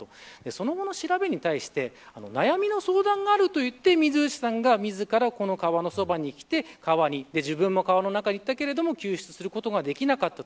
その後の調べに対して悩みの相談があると言い水内さんが自らこの川のそばに来て自分も川の中にいって救出することができなかった。